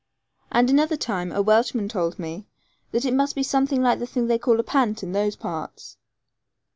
And another time a Welshman told me that it must be something like the thing they call a 'pant' in those parts.